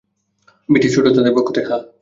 বিট্টো, ছোটি, তাদের পক্ষ থেকে, হ্যাঁঁ।